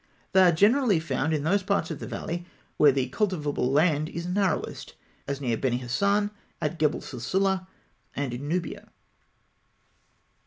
They are generally found in those parts of the valley where the cultivable land is narrowest, as near Beni Hasan, at Gebel Silsileh, and in Nubia.